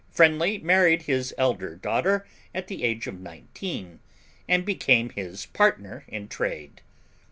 Friendly married his elder daughter at the age of nineteen, and became his partner in trade.